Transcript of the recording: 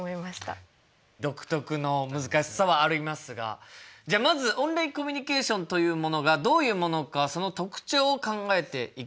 独特の難しさはありますがじゃあまずオンラインコミュニケーションというものがどういうものかその特徴を考えていきましょう。